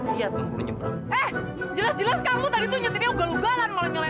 sampai jumpa di video selanjutnya